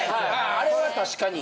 あれは確かに。